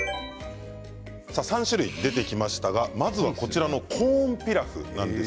３種類出てきましたがまずこちらのコーンピラフです。